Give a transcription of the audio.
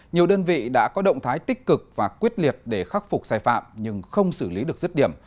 nhiều đơn vị đã có động thái tích cực và quyết liệt để khắc phục sai phạm nhưng không xử lý được dứt điểm